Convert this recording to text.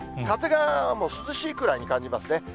風が涼しいくらいに感じますね。